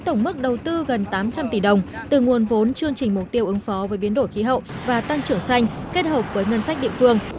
tổng mức đầu tư gần tám trăm linh tỷ đồng từ nguồn vốn chương trình mục tiêu ứng phó với biến đổi khí hậu và tăng trưởng xanh kết hợp với ngân sách địa phương